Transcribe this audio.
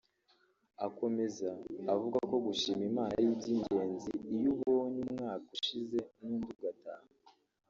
akomeza avuga ko gushima Imana ari iby’ingenzi iyo ubonye umwaka ushize n’undi ugataha